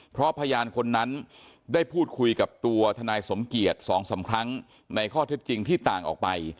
เพราะพยานคนนั้นได้พูดคุยกับตัวทนายสมเกียจ๒๓ครั้งในข้อเท็จจริงที่ต่างออกไป